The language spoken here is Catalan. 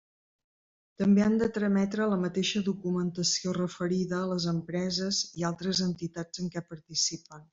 També han de trametre la mateixa documentació referida a les empreses i altres entitats en què participen.